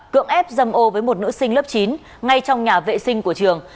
cưỡng ép dâm ô với một nữ sinh lớp chín ngay trong nhà vệ sinh của trường